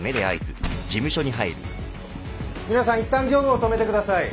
皆さんいったん業務を止めてください。